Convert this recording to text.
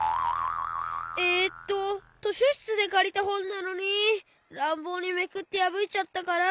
えっととしょしつでかりたほんなのにらんぼうにめくってやぶいちゃったから。